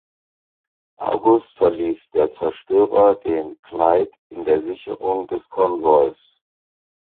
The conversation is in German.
August verließ der Zerstörer den Clyde in der Sicherung des Konvois.